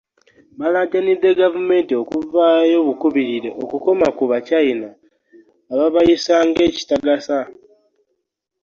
Balaajanidde gavumenti okuvaayo bukubirire okukoma ku Bachina ababayisa ng'ekitagasa